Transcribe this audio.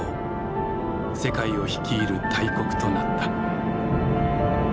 世界を率いる大国となった。